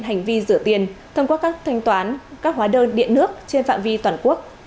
hành vi rửa tiền thông qua các thanh toán các hóa đơn điện nước trên phạm vi toàn quốc